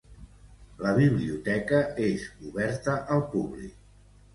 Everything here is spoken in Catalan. La biblioteca és oberta al públic.